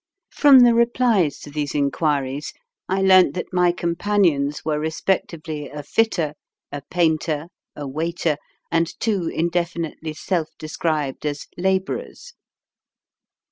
From the replies to these inquiries I learnt that my companions were respectively a fitter, a painter, a waiter, and two indefinitely self described as "labourers."